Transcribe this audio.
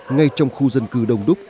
ngay trong khu dân cư đông đúc